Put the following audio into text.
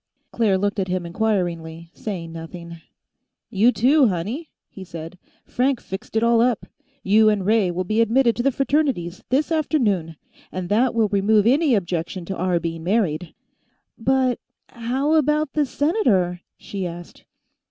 Claire looked at him inquiringly, saying nothing. "You, too, honey," he said. "Frank fixed it all up. You and Ray will be admitted to the Fraternities, this afternoon. And that will remove any objection to our being married." "But ... how about the Senator?" she asked.